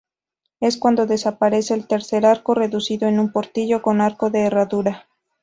Es cuando desaparece el tercer arco, reducido a un portillo con arco de herradura.